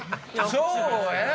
そうやな